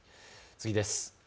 次です。